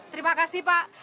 terima kasih pak